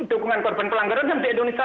dukungan korban pelanggaran yang di indonesia